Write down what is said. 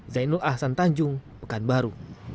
di asan tanjung pekanbaru